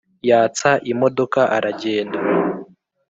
yatsa imodoka aragenda.